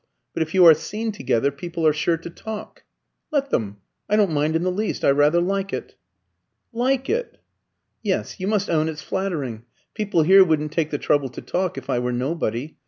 But if you are seen together, people are sure to talk." "Let them. I don't mind in the least I rather like it." "Like it?" "Yes. You must own it's flattering. People here wouldn't take the trouble to talk if I were nobody.